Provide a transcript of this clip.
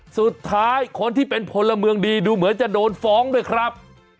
สุดท้ายคนที่เป็นพลเมืองดีดูเหมือนจะโดนฟ้องด้วยครับ